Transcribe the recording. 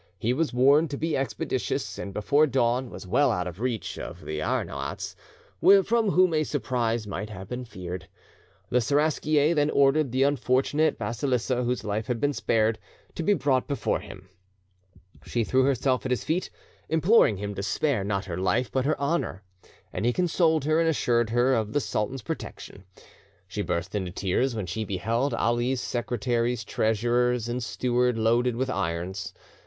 He was warned to be expeditious, and before dawn was well out of reach of the Arnaouts, from whom a surprise might have been feared. The Seraskier then ordered the unfortunate Basilissa, whose life had been spared, to be brought before him. She threw herself at his feet, imploring him to spare, not her life, but her honour; and he consoled her, and assured her of the sultan's protection. She burst into tears when she beheld Ali's secretaries, treasurers, and steward loaded with irons.